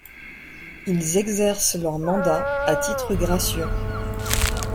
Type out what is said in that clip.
Ils exercent leur mandat à titre gracieux.